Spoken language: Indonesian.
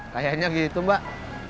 kayaknya gitu mbak